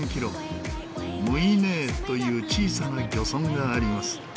ムイネーという小さな漁村があります。